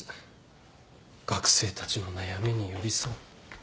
学生たちの悩みに寄り添う